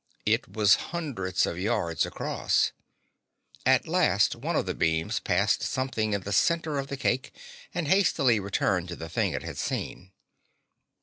It was hundreds of yards across. At last one of the beams passed something at the center of the cake and hastily returned to the thing it had seen.